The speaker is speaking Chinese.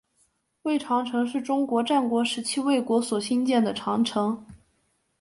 魏长城是中国战国时期魏国所兴建的长城。